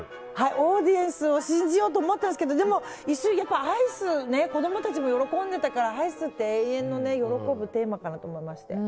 オーディエンスを信じようと思ったんですけどでも、一瞬、アイスは子供たちも喜んでいたから、アイスって永遠の喜ぶテーマかと思いまして。